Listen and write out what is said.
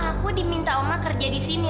aku diminta oma kerja di sini